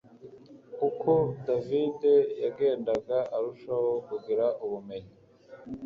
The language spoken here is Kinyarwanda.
Uko David yagendaga arushaho kugira ubumenyi